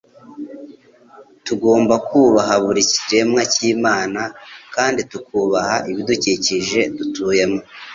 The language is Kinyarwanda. Tugomba kubaha buri kiremwa cyImana kandi tukubaha ibidukikije dutuyemo.